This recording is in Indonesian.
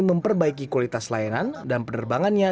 memperbaiki kualitas layanan dan penerbangannya